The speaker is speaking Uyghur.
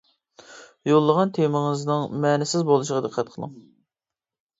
يوللىغان تېمىڭىزنىڭ مەنىسىز بولۇشىغا دىققەت قىلىڭ.